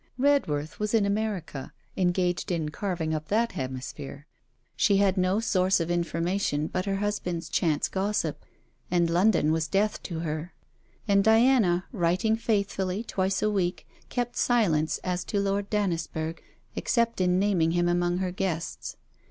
Redworth was in America, engaged in carving up that hemisphere. She had no source of information but her husband's chance gossip; and London was death to her; and Diana, writing faithfully twice a week, kept silence as to Lord Dannisburgh, except in naming him among her guests.